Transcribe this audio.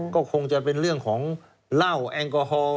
ก็คงจะเป็นเรื่องของเหล้าแอลกอฮอล์